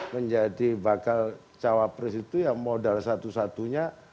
menjadi bakal cawapres itu ya modal satu satunya